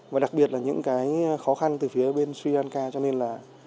và đặc biệt là những cái khó khăn từ phía bên sri lanka cho nên là